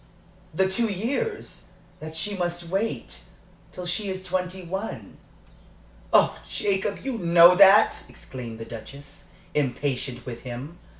"The two years that she must wait till she is twenty one. Oh, Jacob, you know that!" exclaimed the Duchess, impatient with him.